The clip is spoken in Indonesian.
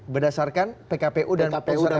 berdasarkan pkpu dan putusan mk